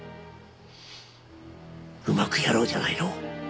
うまくやろうじゃないの。